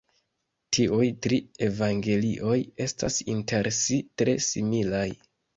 Tiuj tri evangelioj estas inter si tre similaj.